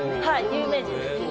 はい有名人です。